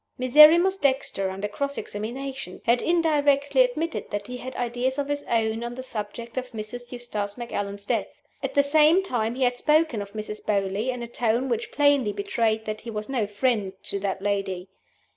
Miserrimus Dexter, under cross examination, had indirectly admitted that he had ideas of his own on the subject of Mrs. Eustace Macallan's death. At the same time he had spoken of Mrs. Beauly in a tone which plainly betrayed that he was no friend to that lady.